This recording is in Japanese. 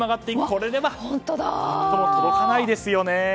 これでは届かないですよね。